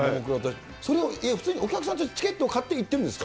それを普通にお客さんとしてチケットを買って行ってるんですか？